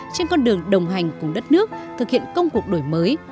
trên con đường đồng hành cùng đất nước thực hiện công cuộc đổi mới